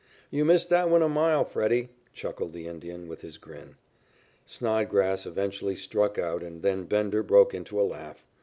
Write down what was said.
"You missed that one a mile, Freddie," chuckled the Indian, with his grin. Snodgrass eventually struck out and then Bender broke into a laugh.